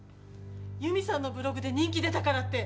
「ユミさんのブログで人気出たからって」